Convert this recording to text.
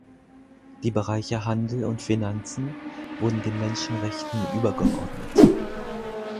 Die Bereiche Handel und Finanzen wurden den Menschenrechten übergeordnet.